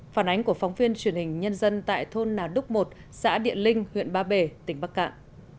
phản ánh của phóng viên truyền hình nhân dân tại thôn nà đúc một xã điện linh huyện ba bể tỉnh bắc cạn